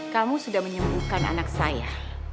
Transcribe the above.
kamu sudah menyembuhkan anak saya